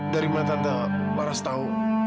dari mana tante waras tahu